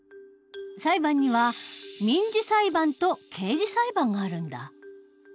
裁判には民事裁判と刑事裁判があるんだ。